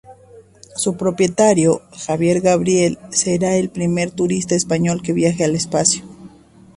Su propietario, Xavier Gabriel será el primer turista español que viaje al espacio.